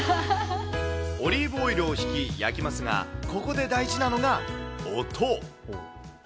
オリーブオイルをひき、焼きますが、ここで大事なのが音。